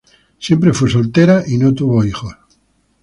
Siempre fue soltera y no tuvo hijos.